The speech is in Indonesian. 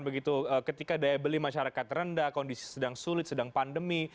begitu ketika daya beli masyarakat rendah kondisi sedang sulit sedang pandemi